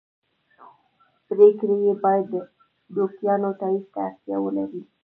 پرېکړې یې باید د دوکیانو تایید ته اړتیا ولري.